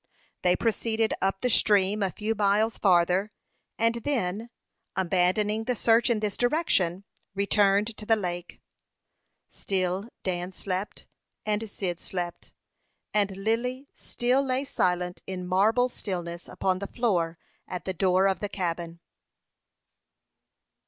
They proceeded up the stream a few miles farther, and then, abandoning the search in this direction, returned to the lake. Still Dan slept, and Cyd slept, and Lily still lay silent in marble stillness upon the floor at the door of the cabin.